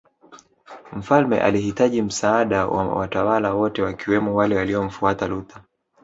Mfalme alihitaji msaada wa watawala wote wakiwemo wale waliomfuata Luther